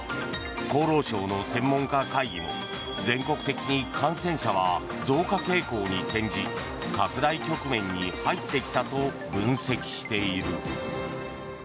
厚労省の専門家会議も全国的に感染者は増加傾向に転じ拡大局面に入ってきたと分析している。